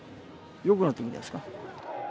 よくなってくるんじゃないですか。